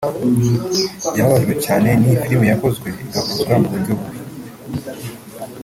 yababajwe cyane n’iyi filimi yakozwe igahuzwa mu buryo bubi